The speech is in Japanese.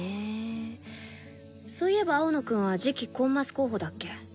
そういえば青野くんは次期コンマス候補だっけ。